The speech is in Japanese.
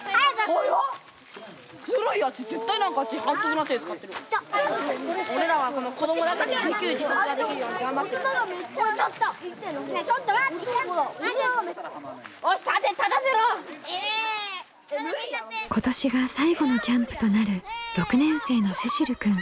今年が最後のキャンプとなる６年生のせしるくん。